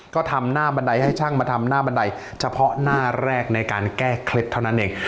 ก็ทำหน้าบันไดให้ช่างมาทำหน้าบันไดเฉพาะหน้าแรกในการแก้เคล็ดเท่านั้นเอง